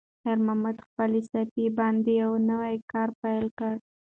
خیر محمد په خپلې صافې باندې یو نوی کار پیل کړ.